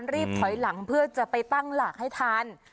รีบถอยหลังเพื่อจะไปตั้งหลักให้ทัน